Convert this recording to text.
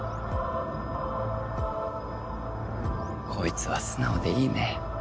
こいつは素直でいいね。